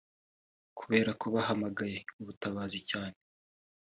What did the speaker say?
Kubera ko bahamagaye ubutabazi cyane